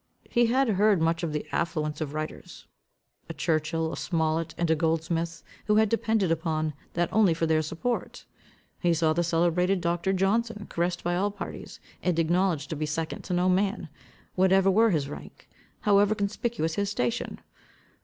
He had heard much of the affluence of writers, a Churchil, a Smollet, and a Goldsmith, who had depended upon that only for their support. He saw the celebrated Dr. Johnson caressed by all parties, and acknowledged to be second to no man, whatever were his rank, however conspicuous his station.